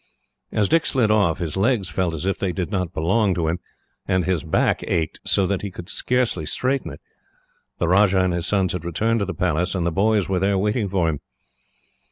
As he slid off, his legs felt as if they did not belong to him, and his back ached so that he could scarce straighten it. The Rajah and his sons had returned to the palace, and the boys were there waiting for him.